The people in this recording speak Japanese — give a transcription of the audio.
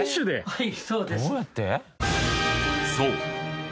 はい。